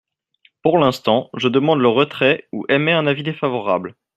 Pour l’instant, je demande le retrait ou émets un avis défavorable.